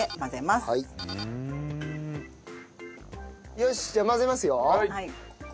よしじゃあ混ぜますよ。